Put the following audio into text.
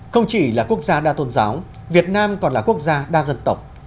không chỉ là quốc gia đa tôn giáo việt nam còn là quốc gia đa dân tộc